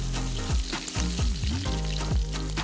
สวัสดีครับ